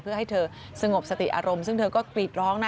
เพื่อให้เธอสงบสติอารมณ์ซึ่งเธอก็กรีดร้องนะ